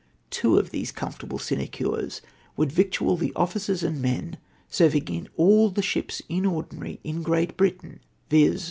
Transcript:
Two of these comfortcdAe sinecures ivould victual the officers and inen serving in all the ships in ordinary in Great Britain, viz.